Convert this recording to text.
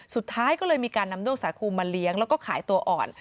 สุดท้ายก็เลยมีการนำด้วงสาคูมาเลี้ยงแล้วก็ขายตัวอ่อน